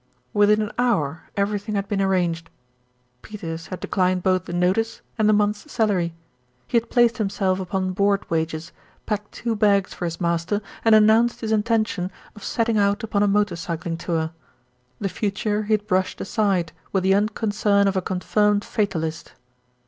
Within an hour everything had been arranged. Peters had declined both the notice and the month's salary, He had placed himself upon board wages, A QUESTION OF IDENTITY 43 packed two bags for his master, and announced his in tention of setting out upon a motor cycling tour. The future he had brushed aside with the unconcern of a confirmed fatalist.